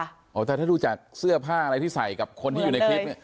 แต่ถ้าที่รู้จักเสื้อผ้าอะไรที่ใส่กับคนที่อยู่ในคลิป